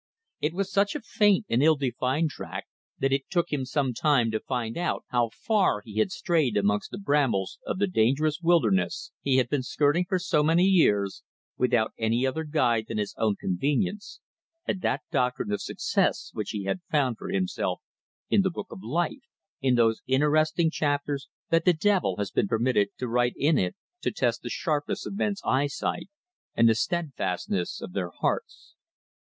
It was such a faint and ill defined track that it took him some time to find out how far he had strayed amongst the brambles of the dangerous wilderness he had been skirting for so many years, without any other guide than his own convenience and that doctrine of success which he had found for himself in the book of life in those interesting chapters that the Devil has been permitted to write in it, to test the sharpness of men's eyesight and the steadfastness of their hearts.